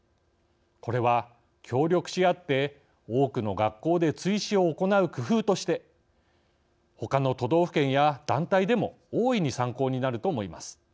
これは協力しあって多くの学校で追試を行う工夫としてほかの都道府県や団体でも大いに参考になると思います。